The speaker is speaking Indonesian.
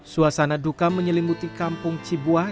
suasana duka menyelimuti kampung cibuah